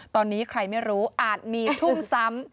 ตอนนี้ใครไม่รู้อาจมีทุ่มซ้ำ